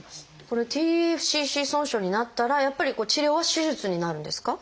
これＴＦＣＣ損傷になったらやっぱり治療は手術になるんですか？